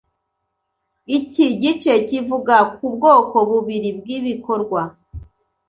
Iki gice kivuga ku bwoko bubiri bwibikorwa